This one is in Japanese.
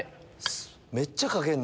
めっちゃかけんの？